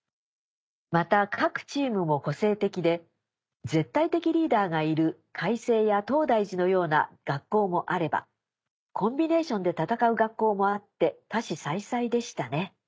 また各チームも個性的で絶対的リーダーがいる開成や東大寺のような学校もあればコンビネーションで戦う学校もあって多士済々でしたね。